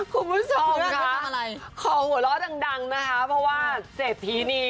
คุณผู้ชมนะคะขอหัวเราะดังนะคะเพราะว่าเศรษฐีนี